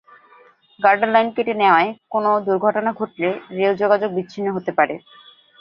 গার্ডার line কেটে নেওয়ায় কোনো দুর্ঘটনা ঘটলে রেল যোগাযোগ বিচ্ছিন্ন হতে পারে।